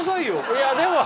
いやでも